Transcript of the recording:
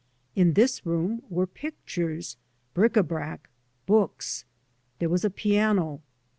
In this room were pictures, bric a brac, books. There was a piano.